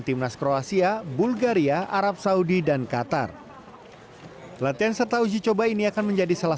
timnas kroasia bulgaria arab saudi dan qatar latihan serta uji coba ini akan menjadi salah